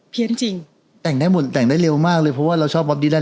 จริงแต่งได้หมดแต่งได้เร็วมากเลยเพราะว่าเราชอบบอบดี้ได้